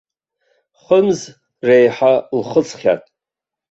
Хымз реиҳа лхыҵхьан.